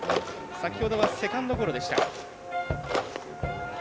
先ほどはセカンドゴロでした。